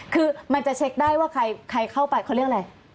คือมันจะเช็คได้ว่าใครเข้าไปเขาเรียกอะไร